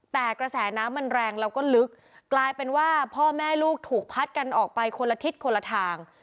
แต่กระแสน้ำมันแรงแล้วก็ลึกกลายเป็นว่าพ่อแม่ลูกถูกพัดกันออกไปคนละทิศคนละทาง